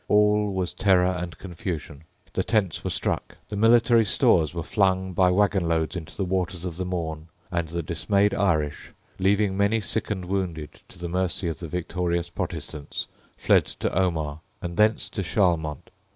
All was terror and confusion: the tents were struck: the military stores were flung by waggon loads into the waters of the Mourne; and the dismayed Irish, leaving many sick and wounded to the mercy of the victorious Protestants, fled to Omagh, and thence to Charlemont.